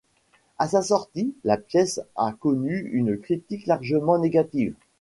À sa sortie, la pièce a connu une critique largement négative.